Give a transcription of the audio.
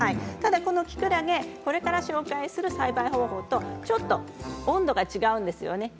キクラゲこれからご紹介する栽培方法とちょっと温度が違うんですよね。